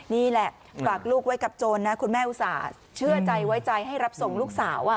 นี่แหละฝากลูกไว้กับโจรนะคุณแม่อุตส่าห์เชื่อใจไว้ใจให้รับส่งลูกสาว